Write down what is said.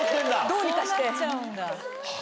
どうにかして。